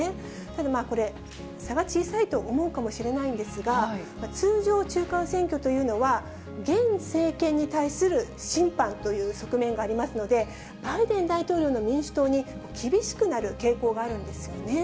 ただまあ、これ、差が小さいと思うかもしれないんですが、通常、中間選挙というのは、現政権に対する審判という側面がありますので、バイデン大統領の民主党に厳しくなる傾向があるんですよね。